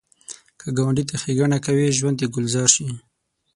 که ګاونډي ته ښیګڼه کوې، ژوند دې ګلزار شي